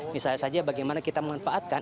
misalnya saja bagaimana kita memanfaatkan